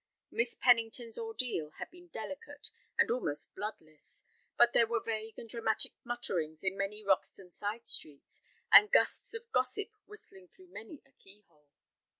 Miss Pennington's ordeal had been delicate and almost bloodless, but there were vague and dramatic mutterings in many Roxton side streets, and gusts of gossip whistling through many a keyhole.